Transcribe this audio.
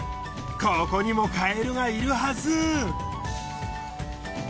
ここにもカエルがいるはず！